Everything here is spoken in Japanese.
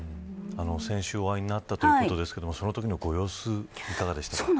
先週、お会いになったということですがそのときのご様子はどうでしたか。